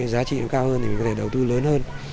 giá trị nó cao hơn thì mình có thể đầu tư lớn hơn